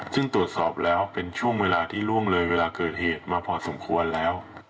ซึ่งตรวจสอบแล้วเป็นช่วงเวลาที่ล่วงเลยเวลาเกิดเหตุมาพอสมควรแล้ว